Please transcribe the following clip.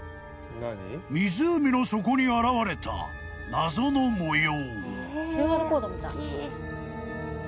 ［湖の底に現れた謎の模様］